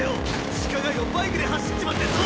地下街をバイクで走っちまってんぞ